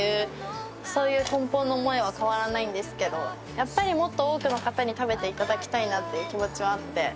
やっぱりもっと多くの方に食べて頂きたいなっていう気持ちはあって。